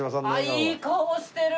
あっいい顔してる！